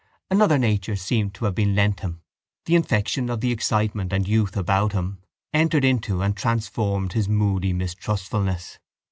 Another nature seemed to have been lent him: the infection of the excitement and youth about him entered into and transformed his moody mistrustfulness.